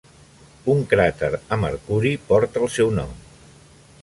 Un cràter a Mercuri porta el seu nom.